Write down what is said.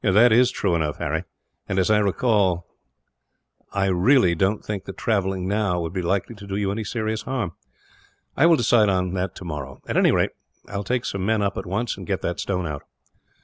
"That is true enough, Harry; and as I really don't think that travelling now would be likely to do you any serious harm, I will decide on tomorrow. At any rate, I will take some men up, at once, and get that stone out."